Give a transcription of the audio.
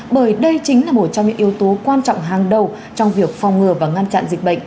bởi đây chính là một trong những yếu tố quan trọng hàng đầu trong việc phòng ngừa và ngăn chặn dịch bệnh